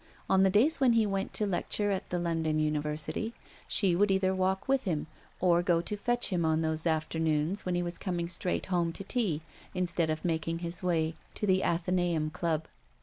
On the days when he went to lecture at the Lon don University, she would either walk with him, or go to fetch him on those afternoons when he was coming straight home to tea instead of making his way to the Athenaeum Club.